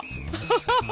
ハハハハ！